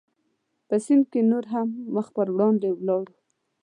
په سیند کې نور هم مخ پر وړاندې ولاړو.